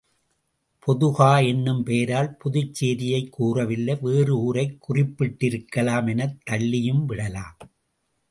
பொதுகா என்னும் பெயரால் புதுச்சேரியைக் கூறவில்லை வேறு ஊரைக் குறிப்பிட்டிருக்கலாம் எனத் தள்ளியும் விடலாம்.